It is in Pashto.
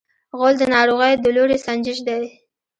غول د ناروغۍ د لوری سنجش دی.